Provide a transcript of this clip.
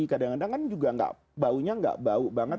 kadang kadang kan juga baunya tidak bau banget